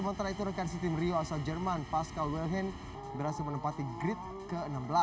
sementara itu rekan sistem rio asal jerman pascal wilhen berhasil menempati grid ke enam belas